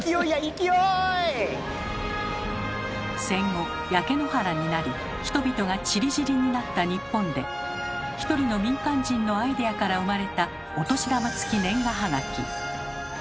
戦後焼け野原になり人々がちりぢりになった日本で一人の民間人のアイデアから生まれたお年玉付き年賀はがき。